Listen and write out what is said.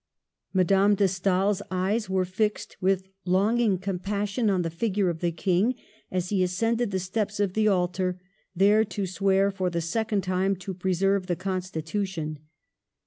Madame de StaePs eyes were fixed with longing compassion on the figure of the King as he ascended the steps of the altar, there to swear for the second time to preserve the Constitution.